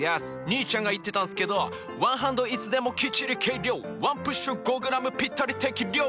兄ちゃんが言ってたんすけど「ワンハンドいつでもきっちり計量」「ワンプッシュ５ｇぴったり適量！」